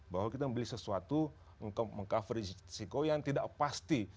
bahwa kita membeli sesuatu meng cover risiko yang tidak pasti